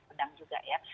sedang juga ya